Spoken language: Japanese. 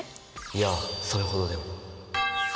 いやそれほどでも。